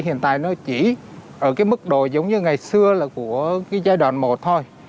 hiện tại nó chỉ ở mức độ giống như ngày xưa là của giai đoạn một thôi